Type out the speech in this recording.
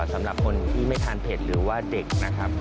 สำหรับคนที่ไม่ทานเผ็ดหรือว่าเด็กนะครับ